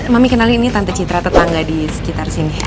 mami kenali ini tante citra tetangga di sekitar sini